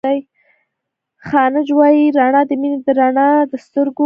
خانج وائي رڼا َد مينې ده رڼا َد سترګو